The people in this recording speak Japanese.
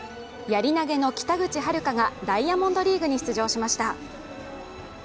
やり投げの北口榛花がダイヤモンドリーグに出場しました。